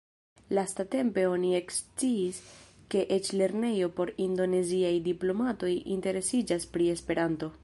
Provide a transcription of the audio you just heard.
Lastatempe oni eksciis ke eĉ lernejo por indoneziaj diplomatoj interesiĝas pri Esperanto.